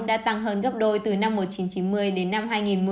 đã tăng hơn gấp đôi từ năm một nghìn chín trăm chín mươi đến năm hai nghìn một mươi